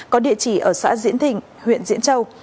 có địa chỉ ở xã diễn thịnh huyện diễn châu